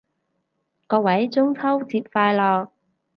各位中秋節快樂